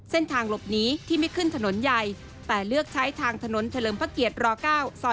เส้นทางหลบหนีที่ไม่ขึ้นถนนใหญ่แต่เลือกใช้ทางถนนเฉลิมพระเกียรติร๙ซอย